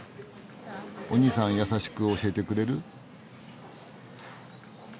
おにいさん優しく教えてくれる？